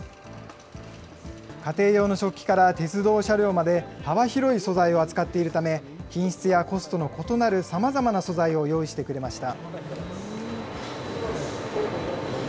家庭用の食器から鉄道車両まで、幅広い素材を扱っているため、品質やコストの異なるさまざまな素材を用意してくれました。